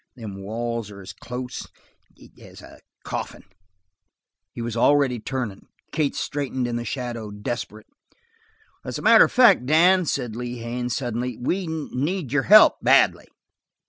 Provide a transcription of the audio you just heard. Them walls are as close as a coffin." He was already turning; Kate straightened in the shadow, desperate. "As a matter of fact, Dan," said Lee Haines, suddenly, "we need your help badly."